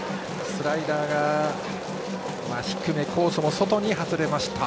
スライダーが低めコースも外に外れました。